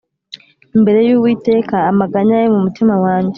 Imbere y uwiteka amaganya yo mu mutima wanjye